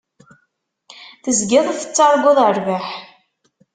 Tezgiḍ tettarguḍ rrbeḥ.